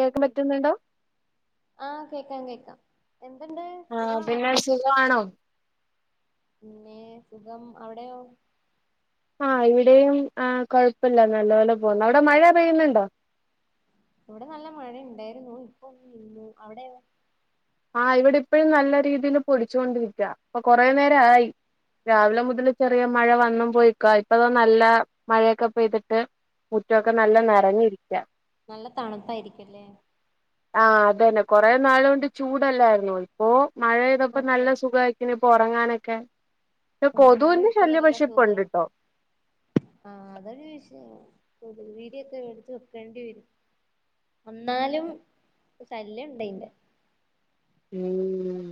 കേൾക്കാൻ പറ്റുന്നുണ്ടോ ആഹ് കേക്കാം കേക്ക. ആ പിന്നെ സുഖമാണോ? പിന്നെ സുഖം അവിടെയോ? ആഹ് ഇവിടെയും ആ കൊഴപ്പില്ല നല്ലപോലെ പോവ അവിടെ മഴ പെയ്യുന്നുണ്ടോ? ഇവിടെ നല്ല മഴ ഉണ്ടായിരുന്നു ഇപ്പൊ ഒന്നു നിന്നു അവിടെ? ആഹ് ഇവിടെ ഇപ്പോഴും നല്ല രീതിയില് പൊടിച്ചു കൊണ്ടിരിക്കുക ഇപ്പൊ കൊറെനേരം ആയി. രാവിലെ മുതൽ ചെറിയ മഴ വന്ന പോയിക്കാ ഇപ്പതാ നല്ല മഴയൊക്കെ പെയ്തിട്ട് മുറ്റൊക്കെ നല്ല ആഹ് നിറഞ്ഞിരിക്കാ. നല്ല തണുപ്പായിരിക്കുംല്ലേ ആഹ് അത് തന്നെ കുറേ നാൾ കൊണ്ട് ചൂടല്ലായിരുന്നു ഇപ്പൊ മഴ പെയ്തപ്പോ അതെ നല്ല സുഖക്ക ഉറങ്ങാനൊക്കെ ഉറങ്ങാനും ഇപ്പൊ നല്ല സുഖമാണ് ഇണ്ട്ട്ടോ ആ അതൊരു [unintelligible] കൊതുക് തിരിയൊക്കെ വേടിച്ച് വെക്കേണ്ടി വരും. എന്നാലും ശല്യം ഉണ്ട് അതിൻ്റെ- ഉം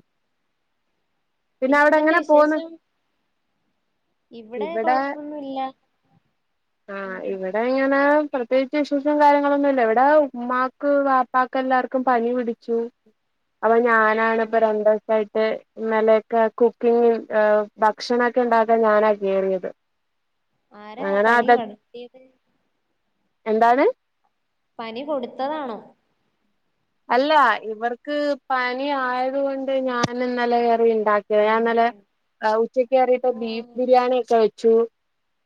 പിന്നെ അവിടെ എന്തുണ്ട് എങ്ങനെ പോന്ന്? വിശേഷം ഇവിടെ കൊഴപ്പൊന്നുല്ല. ആഹ് ഉം ഇവിടെ ഇങ്ങനെ പ്രത്യേകിച്ച് ഇഷ്യൂസും കാര്യങ്ങളൊന്നുല്ല ഇവിടെ ഉമ്മാക്ക് വാപ്പക്ക് എല്ലാർക്കും പനി പിടിച്ചു. അപ്പൊ ഞാനാണ് ഇപ്പ ഓഹ് രണ്ട്സായി ട്ട് ഇന്നലൊക്കെ കുക്കിങ്ങും ഭക്ഷണൊക്കെ ഉണ്ടാക്കാൻ ഞാനാ കേറിയത്. ആരാ അങ്ങനെ പനി അത പടർത്തിയത്? എന്താണ്? പനി കൊടുത്തതാണോ? അല്ല ഇവർക്ക് പനി ആയത് കൊണ്ട് ഞാൻ ഇന്നലെ യേറി ഉണ്ടാക്കി. ഞാൻ ഇന്നലെ കുട്ടപ്പൻ ഉച്ചക്ക് കയറിയിട്ട് ബീഫ് ഓഹ് ബിരിയാണി ഒക്കെ വെച്ചു.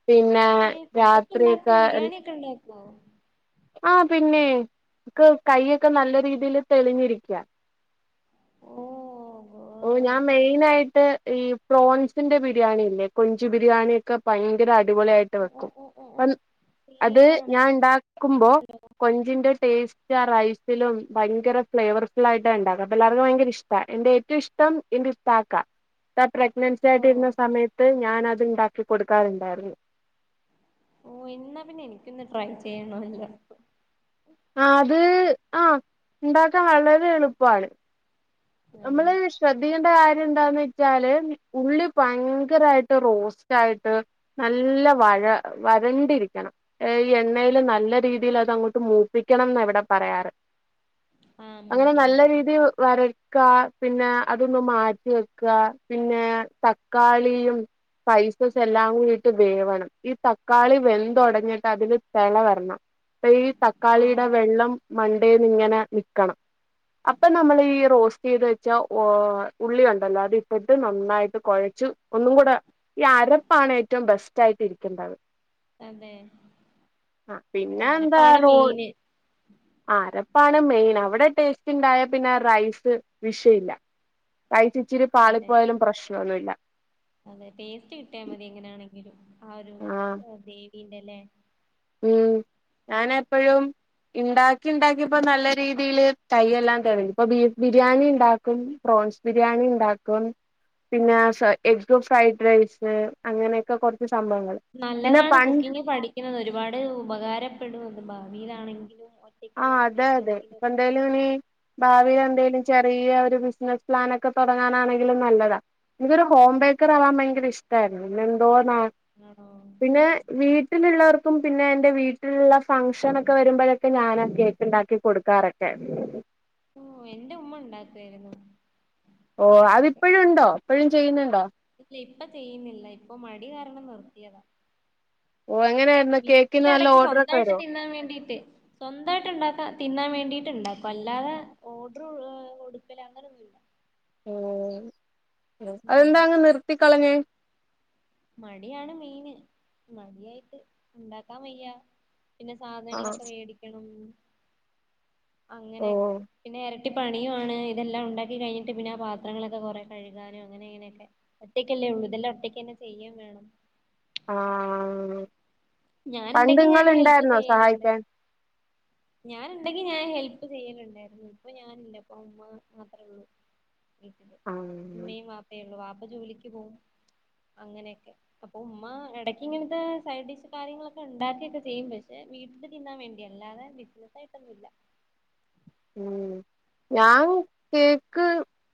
പിന്നെ ഏഹ് ഫുഡൊക്കെ ഉണ്ടാക്കും രാത്രിയൊക്കെ ബിരിയാണി [inaudible] ആഹ് പിന്നെ ഇക്ക് കയ്യോക്കെ നല്ല രീതിൽ തെളിഞ്ഞിരിക്കാ- ഓഹ് - ഓ ഞാൻ മെയിൻ ആയിട്ട് ഈ പ്രോൺസിന്റെ ബിരിയാണില്ലേ, കൊഞ്ച് ബിരിയാണി ഒക്കെ ഭയങ്കര അ അടിപൊളി ആയിട്ട് വെക്കും പ്പം- അത് ഞാൻ സീനാണപ്പോ ഇണ്ടാക്കുമ്പോ കൊഞ്ചിന്റെ ടേസ്റ്റ് ആ റൈസ് റെസിലും ഭയങ്കര ഫ്ലേവർഫുൾ ആയിട്ടാണ് ഉണ്ടാക്കുക അപ്പം എല്ലാർക്കും ഭയങ്കര ഇഷ്ടാ, എന്റെ ഏറ്റം ഇഷ്ടം എന്റെ ഇത്താക്ക, ഇത്താ പ്രഗ്നൻസി ആയിട്ട് ഇരുന്ന സമയത്ത് ഞാനത് ഇണ്ടാക്കി കൊടുക്കാറുണ്ടായിരുന്നു. ഓഹ് എന്നാ പിന്നെ എനിക്കൊന്ന് ട്രൈ ചെയ്യണവല്ലോ- ആഹ്, ഉണ്ടാക്കാൻ വളരെ എളുപ്പമാണ് ആണോ നമ്മള് ശ്രദ്ധിക്കേണ്ട കാര്യ- ര്യംഎന്താന്ന് വെച്ചാല് ഉള്ളി ഭയങ്കരാ യിട്ട്, റോസ്റ്റ് ആയിട്ട് നല്ല വാ വരണ്ടിരിക്കണം ഈ എണ്ണേല് നല്ല രീതിൽ അത് അങ്ങോട്ട് മൂപ്പിക്കണം എന്ന ഇവിടെ പറയാറ്. ആഹ് അങ്ങനെ നല്ല മൂപ്പിക്കണം രീതി വര വക്ക പിന്നെ അതൊന്ന് മാറ്റി വെക്കുക പിന്നെ തക്കാളിയും- സ്പൈസസ് എല്ലാം കൂടിട്ട് വേവണം, ഈ തക്കാളി വെന്തൊടഞ്ഞിട്ട് അതില് തെള വരണം. അപ്പ ഈ ആഹ് തക്കാളിയുടെ വെള്ളം- മണ്ടേന്ന് ഇങ്ങനെ നിൽക്കണം, അപ്പൊ നമ്മൾ ഈ റോസ്റ്റ് ചെയ്ത് വെച്ചാ ഉള്ളി ഉണ്ടല്ലോ അത് ഇട്ടിട്ട് നന്നായിട്ട് കൊഴച്ച് ഒന്നും കൂടെ ഈ അരപ്പാണ് ഏറ്റവും ബെസ്റ്റ് ആയിട്ടിരിക്കേണ്ടത്. അതെ ആ ഓഹ് പിന്നെ എന്താ അരപ്പാണ് റോ മെയിന് ആ- അരപ്പാണ് മെയിൻ അവിടെ ടേസ്റ്റ് ഉണ്ടായ പിന്നെ റൈസ് വിഷയവില്ല റൈസ്- ഇച്ചിരി അതെ പാളിപ്പോയാലും പ്രശ്നമൊന്നുവില്ല അതെ ടേസ്റ്റ് കിട്ടിയാൽ മതി എങ്ങനെയാണെങ്കിലും ആ ഒരു ഗ്രേവിണ്ടല്ലേ- ഉം ഞാന് എപ്പഴും ഇണ്ടാക്കി ഇണ്ടാക്കി ഇപ്പോ നല്ല രീതിയയില് കൈെയെല്ലാം തെളിഞ്ഞ്, ഇപ്പൊ ബീഫ് ബിരിയാണി ഉണ്ടാക്കും. പ്രോൺസ് ബിരിയാണി ഉണ്ടാക്കും. പിന്നെ എഗ്ഗ് ഫ്രൈഡ് റൈസ് അങ്ങനെയൊക്കെ കുറച്ച് സംഭവങ്ങൾ പിന്നെ നല്ലതാണ് പണ്ട് കുക്കിംഗ് പഠിക്കുന്നത്, ഒരുപാട് ഉപകാരപ്പെടും ആ ഭാവിയിലാണെങ്കിലും ആ ഒറ്റയ്ക്കുള്ള ഹ് അതെ അതെ സമയത്താണെങ്കിലും ഇപ്പ ഒക്കെ എന്തേലും ഇനി ഭാവി എന്തേലും- ചെറിയ ഒരു ബിസിനസ്സ് പ്ലാനൊക്കെ തൊടങ്ങാനാണെങ്കിലും നല്ലതാ. എനിക്കൊരു ഹോം ബേക്കർ ആവാൻ ഭയങ്കര ഇഷ്ടമായിരുന്നു, പിന്നെ എന്തോന്ന ആണോ പിന്നെ വീട്ടി വീട്ടിലുള്ളവർക്കും പിന്നെ എന്റെ വീട്ടിലുള്ള ഫംഗ്ഷനൊക്കെ വരുമ്പോഴൊ ഞാനാ കേക്ക് ഇണ്ടാക്കി കൊടുക്കാറൊക്കെ. ഉ എന്റെ ഉമ്മ ഉണ്ടാക്കായിരുന്നു. ഓ അതിപ്പോഴും ഉണ്ടോ, എപ്പോഴും ചെയ്യുന്നുണ്ടോ? ഇല്ല ഇപ്പ ചെയ്യുന്നില്ല ഇപ്പൊ, മടി കാരണം നിർത്തിയതാ. ഓ എങ്ങനെയായിരുന്നു, കേക്കിന് നല്ല ഓർഡർ ഒക്കെ വരുവോ. സ്വന്തമായിട്ട് ഉണ്ടാക്ക തിന്നാൻ വേണ്ടിട്ട് ഇണ്ടാക്കും, അല്ലാതെ ഓർഡർ ഒടുക്കല അങ്ങന [unintelligible] ഉ ഉം അതെന്താ അങ്ങ് നിർത്തിക്കളഞ്ഞേ, മടിയാണ്, മെയിന് മടിയായിട്ട് ഉണ്ടാക്കാൻ വയ്യാ. പിന്നെ ആ സാധനങ്ങളൊക്കെ മേടിക്കണം. ഓ അങ്ങനെയൊക്കെ പിന്നെ ഇരട്ടി പണിയുമാണ്, ഇതെല്ലാം ഉണ്ടാക്കി ' കഴിഞ്ഞിട്ട് പിന്നെ ആ പാത്രങ്ങളൊക്കെ കുറ കഴുകാനും അങ്ങനെ ഇങ്ങനെയൊക അങ്ങനെയൊക്കെ ഒറ്റ, കൊള്ളു. ഇതെല്ലം ഒറ്റക്ക് തന്നെ ചെയ്യും വേണം. ആ പണ്ട് ഞാനുണ്ടെങ്കി ഞാൻ ഇങ്ങളുണ്ടായിരുന്നോ സഹായിക്കാൻ. ഞാൻ ഉണ്ടെങ്കി ഞാൻ ഹെൽപ്പ് ചെയ്യലുണ്ടായിരുന്നു, ഇപ്പൊ ഞാനില്ല ഇപ്പൊ അമ്മ മാത്രേ ഉള്ളു.. ആഹ് ഉമ്മയും വാപ്പയേ ഉള്ളൂ, വാപ്പ ജോലിക്ക് പോവും. അങ്ങനെയൊക്കെ, അപ്പൊ ഉമ്മ ഇടയ്ക്ക്, ഇങ്ങനത്തെ സൈഡ് ഡിഷ് കാര്യങ്ങളൊക്കെ ഉണ്ടാക്കിയൊക്കെ ചെയ്യും. പക്ഷെ, വീട്ടില് തിന്നാൻ വേണ്ടി അല്ലാതെ ബിസിനസായിട്ടൊന്നും ഇല്ല. ഉം ഞാൻ കേക്ക്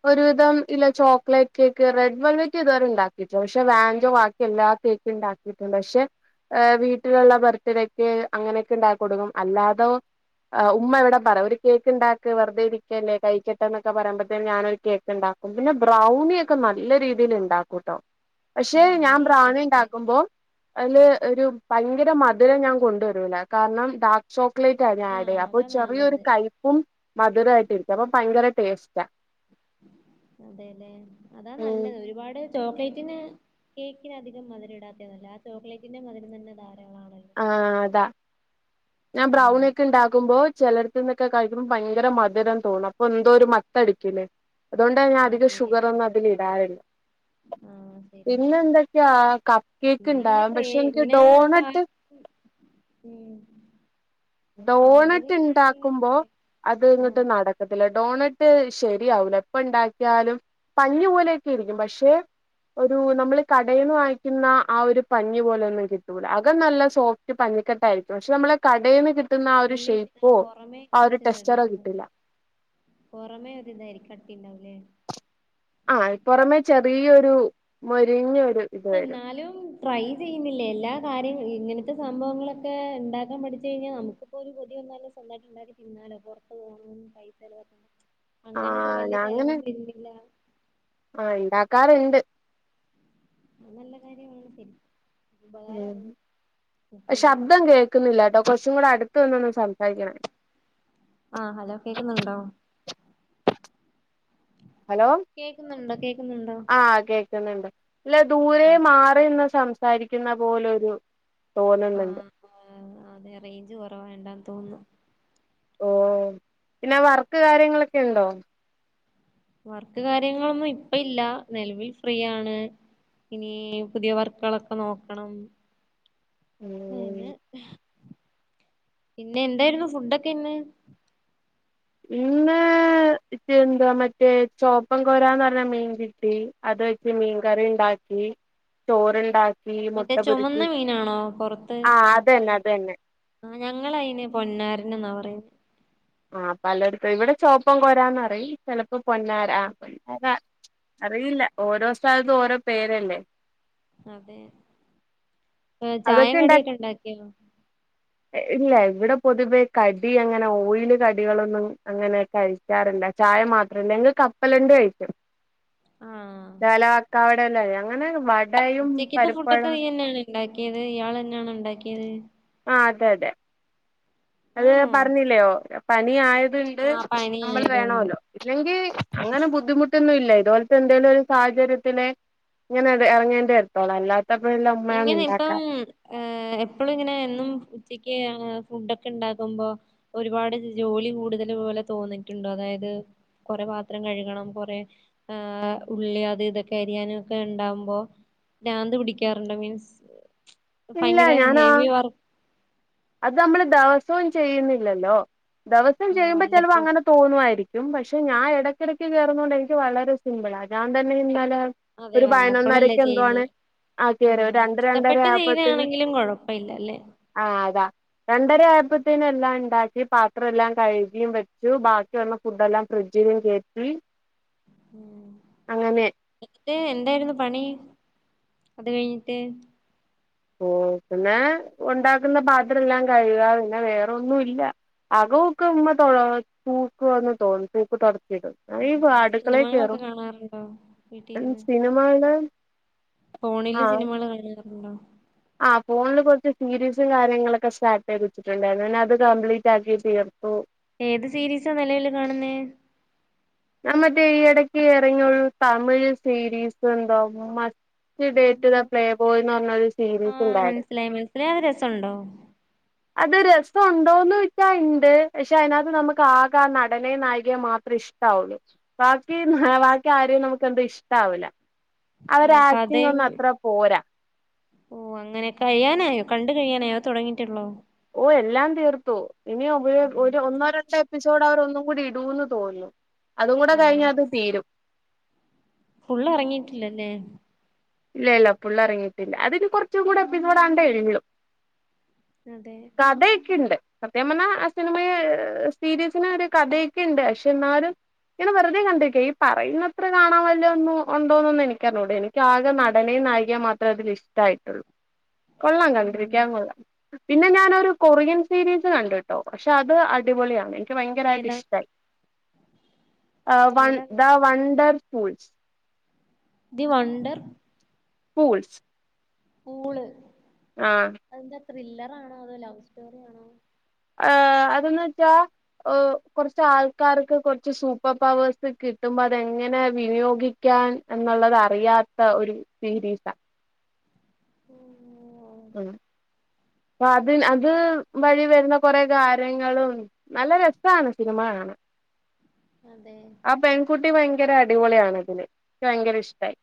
ഒരുവിധം ഇല്ല ചോക്ലേറ്റ് കേക്ക് റെഡ് വെൽവേറ്റ് ഇതുവര ഉ ഉണ്ടാക്കിയിട്ട പക്ഷെ വാഞ്ചോ ബാക്കി എല്ലാത്തേക്ക് ഉണ്ടാക്കിട്ടുണ്ട്. പക്ഷെ വീട്ടിലുള്ള ബർത്ഡേക്ക് അങ്ങനെയൊക്കെ ഉണ്ടാക്കി കൊടുക്കും അല്ലാതോ ആ ഉമ്മ എവിടെ പറവ കേക്ക് ഉണ്ടാക്ക് വെറുതെ ഇരിക്കല്ലേ കഴിക്കട്ടെന്നൊക്കെ പറയുമ്പഴത്തേ ഞാനൊരു കേക്ക് ഇണ്ടാക്കും. പിന്നെ ബ്രൗണി ഒക്കെ നല്ല രീതിയിൽ ഇണ്ടാക്കൂട്ടോ. പക്ഷെ ഞാൻ ഒക്കെ ബ്രൗണി ആക്കിക്കൂടെ ഉണ്ടാക്കുമ്പോ അതില് ഒരു പ ഭയങ്കര മധുരം ഞാൻ കൊണ്ടുവരൂല്ല. കാരണം ഡാർക്ക് ചോക്ലേറ്റ് ആ ഞാൻ ആഡ് ആഹ് ചെയ്യ അപ്പോ അതാ ചെറിയോരു നല്ലത് കൈപ്പ മധുരമായിട്ടിരിക്ക അപ്പൊ ഭയങ്കര ടേസ്റ്റ. ആ അതെല്ലെ അതാ ഉം നല്ലത് ഒരുപാട് ചോക്ലേറ്റിന് കേക്കിനധികം മധുര ഇടാത്തെ നല്ലത്, ആ ചോക്ലേറ്റിന്റെ മധുരം തന്നെ ധാ ആ അതാ ഞാൻ ബ്രൗണിക്കെ ഒണ്ടാക്കുമ്പോ ചിലരത്തിന്നൊക്കെ കഴിക്കുമ്പോ ഭയങ്കര മധുരം തോന്നും. അപ്പൊ എന്തോ ഒരു മത്ത അടിക്കൂലേ അതുകൊണ്ട് ഞാൻ ആഹ് അധികം ശരിയാ ഷുഗർ ഒന്നും ശരി അതില് ഇടാറില്ല. ആഹ് ശരിയാ പിന്നെ എന്തൊക്കെയാ കപ്പ് കേക്ക് പിന്നെ ഇങ്ങനെ ഇണ്ടാവും, ക്രേ പക്ഷെ എനിക്ക് ഇങ്ങനെ പാ ഡോണറ്റ് ഉം ഡോണറ്റ് പാചകം ഇണ്ടാക്കുമ്പോ കാര്യങ്ങളൊക്കെ അത് അങ്ങട്ട് ആഹ് നടക്കത്തില്ല. ഡോണറ്റ് റ്റ് ശരിയാവൂല ഇപ്പൊ ഇണ്ടാക്കിയാലും പഞ്ഞി പോലെയൊക്കെ ഇരിക്കും. പക്ഷെ ഒരു നമ്മള് കടയിൽന്ന് വാങ്ങിക്കുന്ന ആ ഒരു പഞ്ഞി പോലെയൊന്നും കിട്ടൂല. അകം നല്ല സോഫ്റ്റ് പഞ്ഞി കെട്ടായിരിക്കും. പക്ഷെ നമ്മള കടെന്ന് ന്നാ ഒരു ഉള്ളിൽ ഷേപ്പൊ ആഹ് പൊറമെ ആ ഒരു ടെസ്റ്ററോ കിട്ടില്ല. പുറമേ [unintelligible] കട്ടിണ്ടാവല്ലേ. ആഹ് പുറമേ ചെറിയൊരു മൊരിഞ്ഞൊരു എന്നാലും ട്രൈ ചെയ്യുന്നില്ലേ. എല്ലാ കാര്യങ്ങ ഇങ്ങനത്തെ സംഭവങ്ങളൊക്കെ ഇണ്ടാക്കാൻ പഠിച്ചു കഴിഞ്ഞാ നമുക്കിപ്പോ ഒരു കൊതിന്നാലും സ്വന്തയിട്ട് ഉണ്ടാക്കി തിന്നാലോ. പൊ [unintelligible] ആ അങ്ങനെ വലിയ ചെലവൊന്നുലില്ലല്ല. ആഹ് ഇണ്ടാക്കാറുണ്ട്. അത് നല്ല കാര്യമാണ് ശരി ഉം ശബ്ദം കേൾക്കുന്നില്ലട്ടൊ. കൊറച്ചും കൂടെ അടുത്ത് വന്നൊന്ന് സംസാരിക്കണേ. ആഹ് ഹലോ കേക്കുന്നുണ്ടോ? ഹലോ കേക്കുന്നുണ്ടോ കേക്കുന്നുണ്ടോ? ക്കുന്നുണ്ട് ഇല്ല ദൂരെ ആഹ് മാറിന്ന് സംസാരിക്കുന്ന പോലരു തോന്നുന്നുണ്ട്. ആ അതെ റേഞ്ച് കുറവ വേണ്ടാന്ന് തോന്നുന്നു. ഓ പിന്നെ വർക്ക് കാര്യങ്ങളൊക്കെ ഉണ്ടോ? വർക്ക് കാര്യങ്ങളൊന്നും ഇപ്പ ഇല്ല. നിലവിൽ ഫ്രീയാണ്. ഇനി പുതിയ വർക്കുകളൊക്കെ നോക്കണം. ഉം അത് പിന്നെ എന്തായിരുന്നു ഫുഡൊക്കെ ഇന്ന്. ഇന്ന് എന്തുവാ മറ്റേ ചോപ്പം കൊരാന്ന് പറഞ്ഞ മീൻകിട്ടി. അത് വെച്ച് മീൻകറിണ്ട ണ്ടാക്കി ചോറ്ണ്ടാക്കി. മറ്റേ ചുമന്ന മീനാണോ പൊറത്ത് ആ ചുമപ്പുള്ള അതന്നെ അതന്നെ ആ ഞങ്ങളയിന് പൊന്നാരൻ എന്നാ പറയുന്നെ. ആഹ് പലയിടത്തും ഇവിടെ ചുവപ്പം കൊരാന്നറിയും ചിലപ്പോ പൊന്നാര ആ പൊന്നാര അറിയില്ല ഓരോ സ്ഥലത്തും ഓരോ പേരല്ലേ. അതെ ചായ അതൊക്കെ ഇണ്ടാ കടിയൊക്കെ ഉണ്ടാക്കിയോ? ഇല്ല ഇവിടെ പൊതുവേ കടി അങ്ങനെ ഓയില് കടികളൊന്നും അങ്ങനെ കഴിക്കാറില്ല. ചായ മാത്രല്ല നി കപ്പലണ്ടി കഴിക്കും. ആഹ് [unintelligible] അങ്ങനെ വടയും ഉച്ചക്കത്തെ പരിപ്പ ഫുഡൊക്കെ നീ തന്നെയാണ് ഉണ്ടാക്കിയത് ഇയാളെന്നാണോ ഇണ്ടാക്കിയത്? ആ അതെ അതെ അത് ആണോ പറഞ്ഞില്ലയോ പനി ആയത്ണ്ട് ആ പനി നമ്മൾ ആയതുകൊണ്ട് വേണല്ലോ ഇല്ലെങ്കിൽ അങ്ങനെ ബുദ്ധിമുട്ടൊന്നും ഇല്ല ഇതുപോലത്തെ എന്തെലും ഒരു സാഹചര്യത്തിലെ ഇങ്ങനെ ഇറങ്ങേണ്ട ടുത്തോളാം അല്ലാ ഇങ്ങനെ ഇപ്പം ഏ എപ്പോളും ഇങ്ങനെ എന്നും ഫുഡൊക്കെ ഉണ്ടാക്കുമ്പോ ഒരുപാട് ജോലി കൂടുതൽ പോലെ തോന്നിയിട്ടുണ്ടോ അതായത് കൊറെ പാത്രം കഴുകണം കൊറെ ഉള്ളി അത് ഇതൊക്കെ അരിയാനുംക്കെ ഉണ്ടകുമ്പോ പ്രാന്ത് പിടിക്കാറുണ്ടോ മീൻസ് ഇല്ല ഭയങ്കര ഞാനാ ഹെവി വർക്ക് അത് നമ്മള് ദിവസവും ചെയ്യുന്നില്ലല്ലോ ദിവസം ആഹ് ചെയ്യുമ്പോ ചിലപ്പോ വല്ലപ്പഴും അങ്ങനെ തോന്നുമായിരിക്കും. പറ്റും പക്ഷെ ഞാൻ ഇടയ്ക്കിടക്ക് കയറന്നുകൊണ്ട് എനിക്ക് വളരെ സിമ്പിൾ അതാൻ തന്നെ ഇന്നാല അതെ ഒരു വല്ലപ്പോഴല്ലേ പതിനൊന്നരക്കെ എന്തോ ചെയ്യുന്നേ ആണ്. [unintelligible] ആഹ് രണ്ട് രണ്ടര ഇഷ്ടപ്പെട്ട് ആയപ്പത്തിന് ചെയ്താണെങ്കിലും കൊഴപ്പല്ല അല്ലേ ആഹ അതാ രണ്ടര ആയപ്പത്തേന അല്ല ഉണ്ടാക്കി പാത്ര എല്ലാം കഴുകിയും വെച്ചു ബാക്കി വന്ന ഫുഡ് എല്ലാം ഫ്രിഡ്ജിലും കേറ്റി. ഉ അങ്ങനെ എന്നിട്ട് എന്തായിരുന്നു പണി? അത് കഴിഞ്ഞിട്ട്? ഓ പിന്നെ ഉണ്ടാക്കുന്ന പാത്രംല്ലാം കഴുക പിന്നെ വേറെൊന്നും ഇല്ല. അ [unintelligible] തോന്നും തൂക്ക് തൊട [unintelligible] ഉം. അടുക്കളെ സിനിമകളൊക്കെ കേയറും കാണാറുണ്ടോ വീട്ടിലിരുന്ന് സിനിമകയുടെ ഫോണില് സിനിമകള് കാണാറുണ്ടോ? ആ ഫോണില് കുറച്ച് സീരീസും കാര്യങ്ങളൊക്കെ സ്റ്റാർട്ട ആയി വച്ചിട്ടുണ്ടായിരുന്നു അത് കംപ്ലീറ്റ് ആക്കി തീർത്തു. ഏത് സീരീസാ നിലവില് കാണുന്നേ? മ്മറ്റേ ഈ ഇടക്ക് ഇറങ്ങിയുള്ളൂ തമിഴ് സീരീസ് എന്തോ? ഡേറ്റ് ദ പ്ലേ ബോയ്ന്ന് പറഞ്ഞരു സീരീസ് ആഹ് ഇണ്ടായിരുന്നു. മനസ്സിലായി മനസ്സിലായി അത് രസണ്ടോ അത്‌രെ സ ഇ ഉണ്ടോന്ന് വെച്ചാൽ ഇണ്ട് പക്ഷെ അതിനകത്ത് നമുക്ക് ആകെ ആ നടനേ നായികയും മാത്രം ഇഷ്ട ഇഷ്ടുള്ളു ബാക്കി ബാക്കി ആരും നമുക്ക് എന്ത ഇഷ്ടവു ല. ആ അവര് ആക്ടിങ് കഥയും ഒന്ന് അത്ര പോരാ. ഓ അങ്ങനെ കഴിയാനായോ കണ്ട് കഴിയാനായോ അതോ തുടങ്ങിയിട്ടുള്ളോ? ഓ എല്ലാം തീർത്തു ഇനി ഒരു ഒന്നോ രണ്ടോ എപ്പിസോഡ് അവരൊന്നും കൂടി ഇടുൂന്ന് തോന്നുന്നു. അതും കൂടെ കഴിഞ്ഞ അത് തീരും. ഫുൾ ഇറങ്ങിട്ടില്ലല്ലേ? ഇല്ല ഇല്ല ഫുൾ ഇറങ്ങിയിട്ടില്ല അതിന് കുറച്ചും കൂടെ എപ്പിസോടാണ്ടേ ഉള്ളൂ. അതെ കഥയൊക്കെയുണ്ട്. സത്യം പറഞ്ഞാൽ ആ സിനിമയെ സീരിസിന് ഒരു കഥയൊക്കെുണ്ട് പക്ഷെ എന്നാലും ഇെ വെറുതെ കണ്ടിരിക്ക ഈ പറയുന്നത്ര കാണാൻ വല്ലത ഒന്നും ഉണ്ടോന്നന്ന് ഒന്ന് എനിക്കറിഞ്ഞു ട എനിക്ക് നടനയും നായികേ മാത്രേ അതിൽ ഇഷ്ടമായിട്ടുള്ളൂ കൊള്ളാം ഉം കണ്ടിരിക്കാൻ കൊള്ളാം. പിന്നെ ഞാനൊരു കൊറിയൻ സീരീസ് കണ്ടിട്ടോ പക്ഷെ അത് അടിപൊളിയാണ്. ഭയങ്കരമായിട്ട് ഏതാ ഇഷ്ട ഏതാ the wonder fools. The wonder fools. [unintelligible] ആ അതെന്താ ത്രില്ലറാണോ അതോ ലവ് സ്റ്റോറി ആണോ? ഏ അതന്ന് വെച്ചാ ് കുറച്ച് ആൾക്കാർക്ക് കുറച്ച് സൂപ്പർ പവേഴ്സ് കിട്ടുമ്പോ അതെങ്ങനെ വിനിയോഗിക്ക [unintelligible] എന്നുള്ളത് അറിയാത്ത ഒരു സീരീസ മ്മ്..... ഉം വാതിൻ അത് വഴി വരുന്ന കൊറെേ കാര്യങ്ങളും നല്ല രസാണ് സിനിമ കാണാൻ അതെ ട്ടി ഭയങ്കര അടിപൊളിയാണതില് ക്ക് ഭയങ്കര ഇഷ്ടായി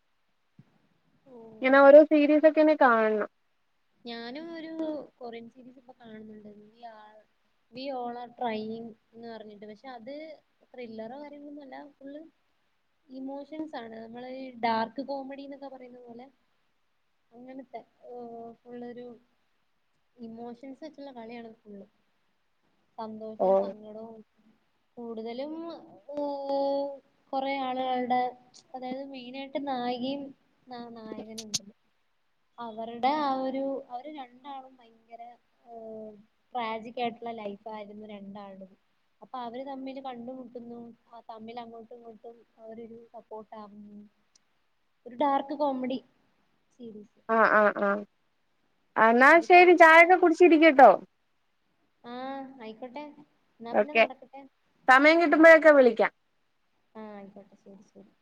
ഓ ഞനോരോ സീരീസൊക്കെന്നെ കാണണം ഞാനും ഒരു കൊറിയൻ സീരീസ് ഇപ്പൊ കാണുന്നുണ്ട്. വി ഓൾ ആർ ട്രയിങ് ന്ന് പറഞ്ഞിട്ട് പക്ഷെ അത് ത്രില്ലറോ കാര്യങ്ങളൊന്നു അല്ല ഫുള്ള് ഇമോഷൻസാണ് മ്മള് ഡാർക്ക് കോമഡി ന്നൊക്കെ പറയുന്ന പോലെ അങ്ങനത്തെ ഓഓ ഉള്ളൊരു ഇമോഷൻസ് വച്ചൊള്ള കളിയാണ് ഫുള്ള് സന്തോഷോം ഓഹ് സങ്കടോം കൂടുതലും ഹ് കൊറെ ആളുകളുടെ അതായത് മെയിനായിട്ട് നാ നടീം ന നായകനും അവരുടെ ആ ഒരു അവര് രണ്ടാളും ഭയങ്കര ട്രാജിക്കായിട്ടുള്ള ലൈഫായിരുന്നു രണ്ടാൾടതും അപ്പൊ അവര് തമ്മില് കണ്ടുമുട്ടുന്നു ആ തമ്മിൽ അങ്ങോട്ടും ഇങ്ങോട്ടും അവരൊരു സപ്പോർട്ടാകുന്നു ഒരു ഡാർക്ക് കോമഡി സീരീസ് ആ ആ ആ എന്നാ അത് ശരി കൊഴപ്പില്ല ചായൊക്കെ കുടിച്ചിരികട്ടോ ആഹ് ആയിക്കോട്ടെ എന്നാ പിന്നെ ഓക്കെ നടക്കട്ടെ സമയം ആഹ് കിട്ടുമ്പോഴൊക്കെ വിളിക്കാം ആഹ് ആയികോട്ടെ ശെരി ശെരി